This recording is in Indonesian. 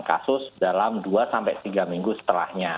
peningkatan kasus dalam dua tiga minggu setelahnya